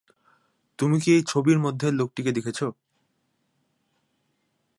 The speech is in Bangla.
তুমি কি এই ছবির মধ্যের লোকটিকে দেখেছো?